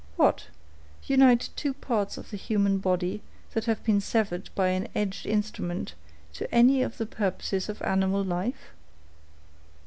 "What! unite two parts of the human body, that have been severed by an edged instrument, to any of the purposes of animal life?"